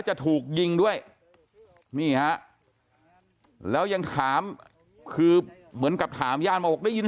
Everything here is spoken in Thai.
จะถูกยิงด้วยนี่ฮะแล้วยังถามคือเหมือนกับถามญาติมาบอกได้ยิน